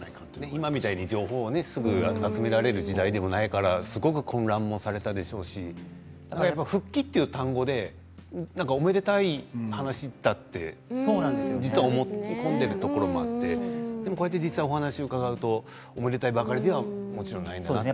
今みたいに情報をすぐ集められる時代じゃないからすごく混乱されたでしょうし復帰という単語でおめでたい話だと実は思い込んでいるところもあってでも実際、お話を伺うとおめでたいばかりではもちろんないと。